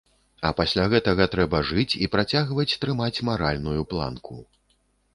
А пасля гэтага трэба жыць і працягваць трымаць маральную планку.